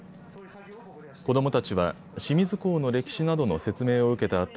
子どもたちは清水港の歴史などの説明を受けた